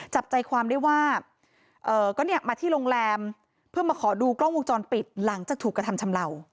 จับใจความได้ว่าก็เนี่ยมาที่โรงแรมเพื่อมาขอดูกล้องวงจรปิดหลังจากถูกกระทำชำเหล่า